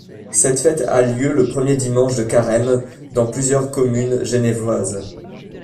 Cette fête a lieu le premier dimanche de carême dans plusieurs communes genevoises.